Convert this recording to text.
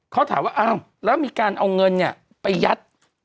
๒เขาถามว่าเออแล้วมีการเอาเงินไปยัด